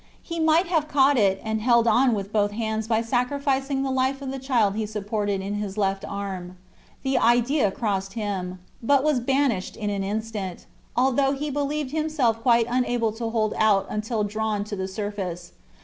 He might have caught it, and held on with both hands by sacrificing the life of the child he supported in his left arm. The idea crossed him, but was banished in an instant, although he believed himself quite unable to hold out until drawn to the surface.